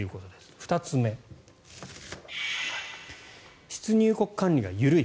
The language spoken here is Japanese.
２つ目、出入国管理が緩い。